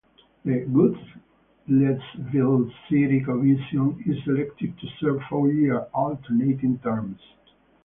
The Goodlettsville City Commission is elected to serve four year, alternating terms.